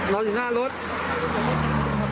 อยู่จากหน้ารถครับ